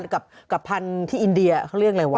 กับพันธุ์ที่อินเดียเขาเรียกอะไรวะ